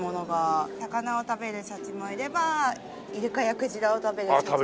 魚を食べるシャチもいればイルカやクジラを食べるシャチもいます。